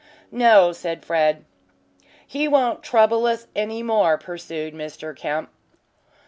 "No," said Fred. "He won't trouble us any more," pursued Mr. Kemp.